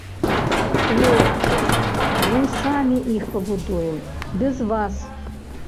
Хлопцы, а мы самі іх пабудуем, без вас.